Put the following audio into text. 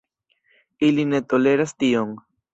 Ili ne toleras tion.